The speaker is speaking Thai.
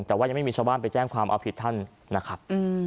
แต่ว่ายังไม่มีชาวบ้านไปแจ้งความเอาผิดท่านนะครับ